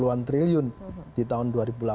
sembilan puluh an triliun di tahun dua ribu delapan belas